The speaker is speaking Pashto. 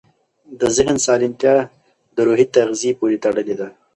د ذهن سالمتیا د روحي تغذیې پورې تړلې ده.